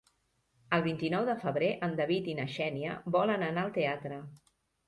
El vint-i-nou de febrer en David i na Xènia volen anar al teatre.